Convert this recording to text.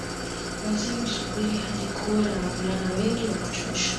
Wazee husubiri hadi kuwe na wavulana wengi wa kutosha